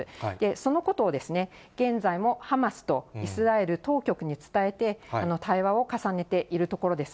そのことを、現在もハマスとイスラエル当局に伝えて、対話を重ねているところです。